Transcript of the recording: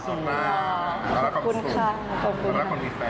ขอบคุณนะ